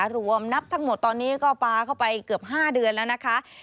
รวมนับทั้งหมดตอนนี้ก็ปลาเข้าไปเกือบ๕เดือนแล้วนะคะ